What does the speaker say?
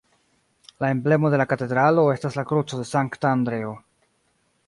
La emblemo de la katedralo estas la kruco de Sankta Andreo.